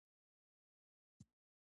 د مشرتابه چلند تاریخ جوړوي